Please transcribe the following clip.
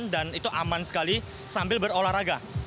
dan itu aman sekali sambil berolahraga